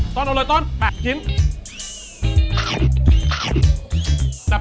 ต้อนเอาเลยต้อน๘กิโลกรัม